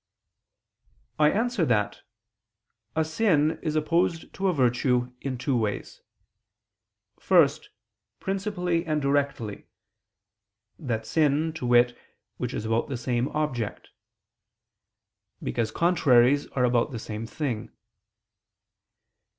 I answer that, A sin is opposed to a virtue in two ways: first, principally and directly; that sin, to wit, which is about the same object: because contraries are about the same thing.